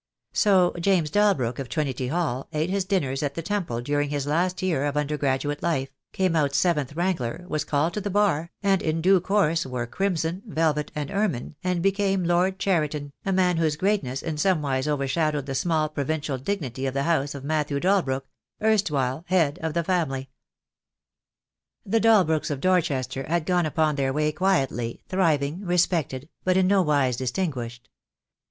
So James Dalbrook, of Trinity Hall, ate his dinners at the Temple during his last year of undergraduate life, came out seventh wrangler, was called to the Bar, and in due course wore crimson, velvet, and ermine, and be came Lord Cheriton, a man whose greatness in somewise overshadowed the small provincial dignity of the house of Matthew Dalbrook, erstwhile head of the family. The Dalbrooks, of Dorchester, had gone upon their way quietly, thriving, respected, but in no wise dis tinguished.